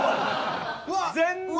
全然。